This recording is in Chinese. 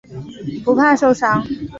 不怕受伤。